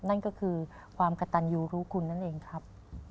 นั่นก็คือความกระตันยูรู้คุณนั่นเองครับ